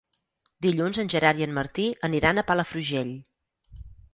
Dilluns en Gerard i en Martí aniran a Palafrugell.